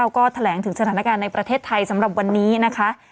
ก็แถลงถึงสถานการณ์ในประเทศไทยสำหรับวันนี้นะคะ